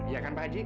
iya kan pak haji